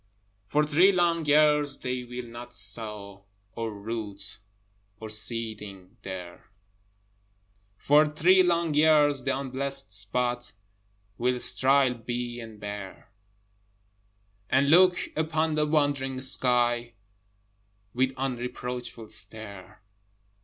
For three long years they will not sow Or root or seedling there: For three long years the unblessed spot Will sterile be and bare, And look upon the wondering sky With unreproachful stare.